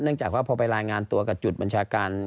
จากว่าพอไปรายงานตัวกับจุดบัญชาการ